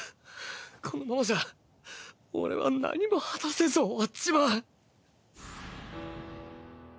このままじゃオレは何も果たせず終わっちまう。